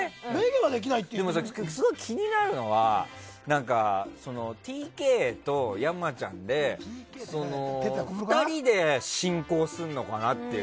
でも、すごい気になるのはＴＫと山ちゃんで２人で進行するのかなっていう。